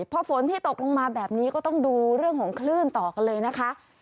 พอฝนที่ตกลงมาแบบนี้ก็ต้องดูเรื่องของคลื่นต่อกันเลยนะคะ